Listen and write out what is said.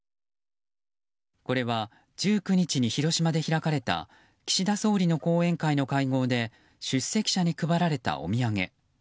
これは、１９日に広島で開かれた岸田総理の後援会の会合で出席者に配られたお土産。